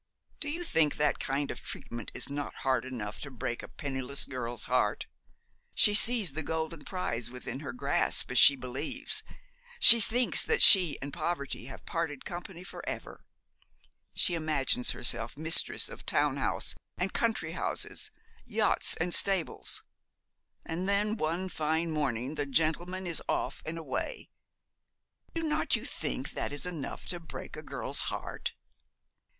Do you think that kind of treatment is not hard enough to break a penniless girl's heart? She sees the golden prize within her grasp, as she believes; she thinks that she and poverty have parted company for ever; she imagines herself mistress of town house and country houses, yachts and stables; and then one fine morning the gentleman is off and away! Do not you think that is enough to break a girl's heart?'